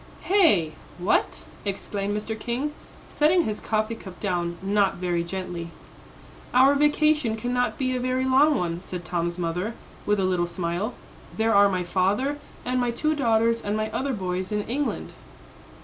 "Hey what?" exclaimed Mr. King, setting his coffee cup down, not very gently. "Our vacation cannot be a very long one," said Tom's mother, with a little smile; "there are my father and my two daughters and my other boys in England."